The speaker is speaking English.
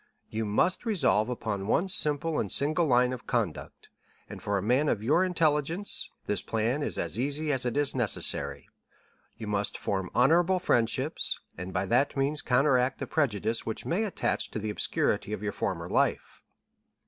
You must resolve upon one simple and single line of conduct, and for a man of your intelligence, this plan is as easy as it is necessary; you must form honorable friendships, and by that means counteract the prejudice which may attach to the obscurity of your former life."